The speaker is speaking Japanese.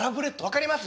分かります？